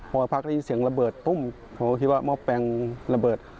พอพักได้ยินเสียงระเบิดตุ้มผมก็คิดว่าหม้อแปลงระเบิด